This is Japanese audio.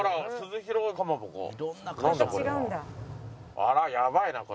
あらやばいなこれ。